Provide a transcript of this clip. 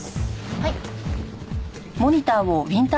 はい。